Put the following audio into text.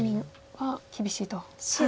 はい。